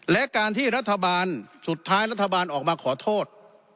และการที่รัฐบาลสุดท้ายรัฐบาลออกมาขอโทษ